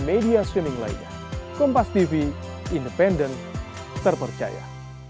media swimming lainnya kompas tv independen terpercaya